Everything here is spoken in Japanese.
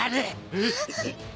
えっ？